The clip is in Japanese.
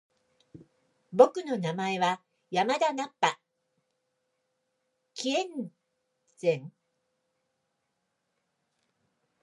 僕の名前は山田ナッパ！気円斬！